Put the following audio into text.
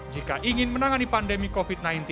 jika ingin menangani pandemi covid sembilan belas